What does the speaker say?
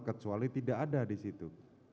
kecuali tidak ada disitu